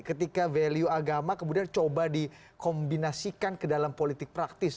ketika value agama kemudian coba dikombinasikan ke dalam politik praktis